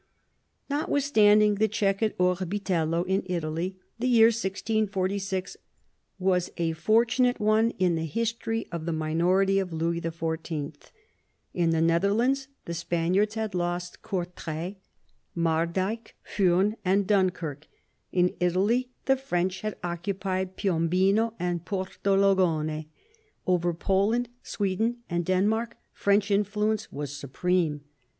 Notwithstanding the check at Orbitello in Italy, the year 1646 was a fortunate one in the history of the minority of Louis XIV. In the Netherlands the Spaniards had lost Courtray, Mardyke, Furnes, and Dunkirk ; in Italy the French had occupied Piombino and Porto Longone. Over Poland, Sweden, and Denmark, French influence was supreme.